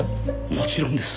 もちろんです。